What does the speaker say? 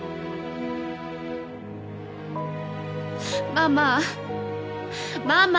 ママママ！